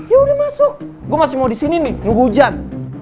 ya udah masuk gua masih mau disini nih nunggu hujan